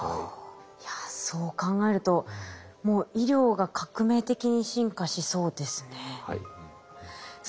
いやそう考えるともう医療が革命的に進化しそうですね。